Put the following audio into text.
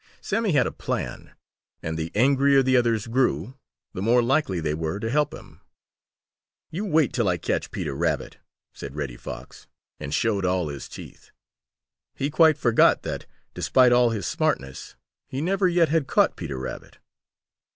Sammy had a plan, and the angrier the others grew, the more likely were they to help him. "You wait till I catch Peter Rabbit!" said Reddy Fox and showed all his teeth. He quite forgot that, despite all his smartness, he never yet had caught Peter Rabbit.